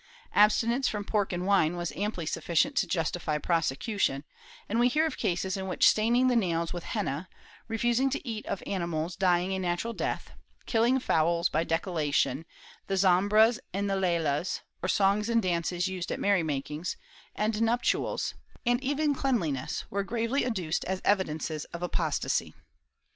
Abstinence from pork and wine was amply sufficient to justify prosecution, and we hear of cases in which staining the nails with henna, refusal to eat of animals dying a natural death, killing fowls by decollation, the zambras and leilas, or songs and dances used at merry makings and nuptials, and even cleanliness, were gravely adduced as evidences of apostasy.